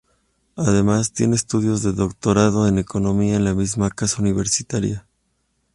Además, tiene estudios de doctorado en Economía en la misma casa universitaria.